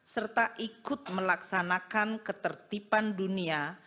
serta ikut melaksanakan ketertiban dunia